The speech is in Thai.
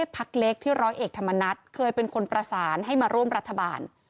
พักเล็กที่ร้อยเอกธรรมนัฐเคยเป็นคนประสานให้มาร่วมรัฐบาล